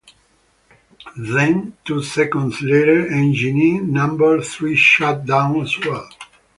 Then two seconds later, engine number three shut down as well.